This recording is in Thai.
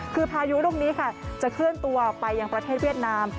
คือพายุลูกนี้ค่ะจะเคลื่อนตัวไปยังประเทศเวียดนาม